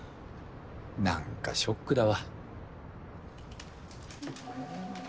何かショックだわ。